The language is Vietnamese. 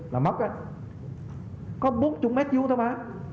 là mất có bốn mươi mét vuông thôi mà